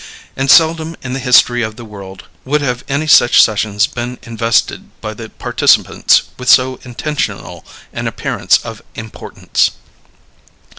And seldom in the history of the world have any such sessions been invested by the participants with so intentional an appearance of importance.